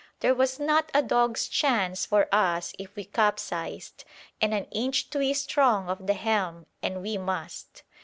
There was not a dog's chance for us if we capsized, and an inchtwist wrong of the helm and we must.